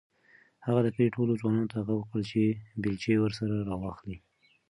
هغه د کلي ټولو ځوانانو ته غږ وکړ چې بیلچې ورسره راواخلي.